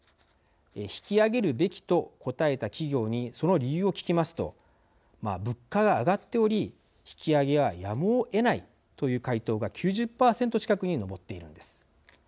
引き上げるべきと答えた企業にその理由を聞きますと物価が上がっており引き上げはやむをえないという回答が９０％近くに上っているのです。